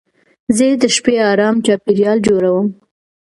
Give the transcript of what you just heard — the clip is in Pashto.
زه د شپې ارام چاپېریال جوړوم.